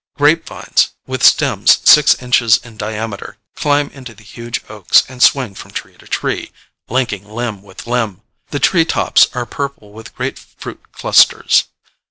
Grapevines with stems six inches in diameter climb into the huge oaks and swing from tree to tree, linking limb with limb: the tree tops are purple with great fruit clusters.